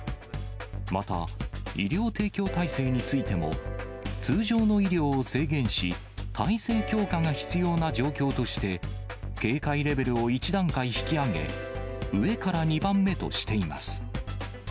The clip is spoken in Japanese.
また、医療提供体制についても、通常の医療を制限し、体制強化が必要な状況として、警戒レベルを１段階引き上げ、上から２番目としています。